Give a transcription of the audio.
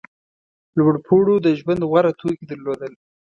لوړپوړو د ژوند غوره توکي درلودل.